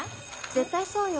絶対そうよ